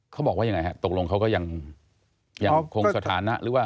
เขาบอกว่าอย่างไรครับตกลงเขาก็ยังคงสถานะ